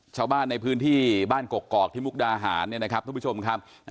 ชาวบ้านในพื้นที่บ้านกกอกที่มุกดาหารเนี่ยนะครับทุกผู้ชมครับ